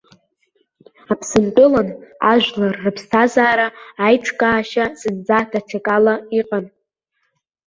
Аԥсынтәылан ажәлар рыԥсҭазаара аиҿкаашьа зынӡа даҽакала иҟан.